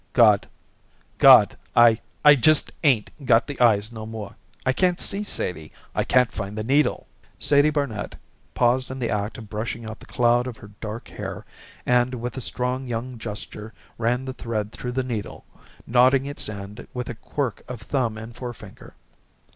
"God! I I just 'ain't got the eyes no more. I can't see, Sadie; I can't find the needle." Sadie Barnet paused in the act of brushing out the cloud of her dark hair, and with a strong young gesture ran the thread through the needle, knotting its end with a quirk of thumb and forefinger.